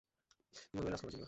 Emmanuel Rajkumar junior.